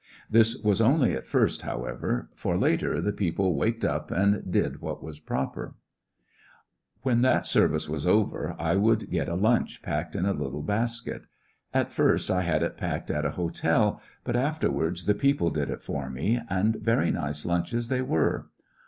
This was only at first, however, for later the people waked up and did what was proper. Hustling times When that service was over, I would get a lunch packed in a little basket. At first I had it packed at a hotel, but afterwards the people did it for me, and very nice lunches they were.